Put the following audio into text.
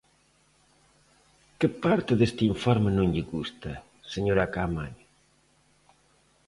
¿Que parte deste informe non lle gusta, señora Caamaño?